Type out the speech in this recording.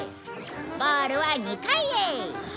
ボールは２階へ。